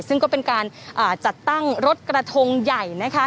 ซึ่งก็เป็นการจัดตั้งรถกระทงใหญ่นะคะ